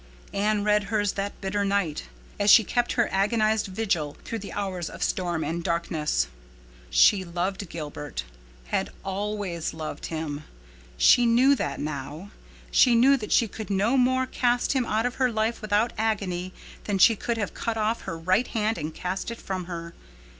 Anne read hers that bitter night, as she kept her agonized vigil through the hours of storm and darkness. She loved Gilbert—had always loved him! She knew that now. She knew that she could no more cast him out of her life without agony than she could have cut off her right hand and cast it from her.